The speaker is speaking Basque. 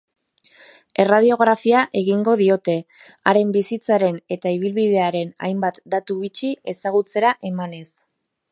Erradiografia egingo diote, haren bizitzaren eta ibilbidearen hainbat datu bitxi ezagutzera emanez.